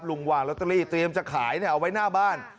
วางลอตเตอรี่เตรียมจะขายเอาไว้หน้าบ้าน